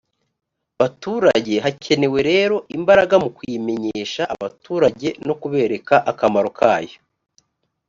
baturage hakenewe rero imbaraga mu kuyimenyesha abaturage no kubereka akamaro kayo